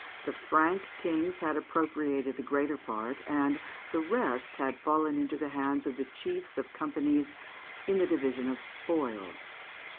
The Frank Kings had appropriated the greater part; and the rest had fallen into the hands of the chiefs of companies in the division of spoil.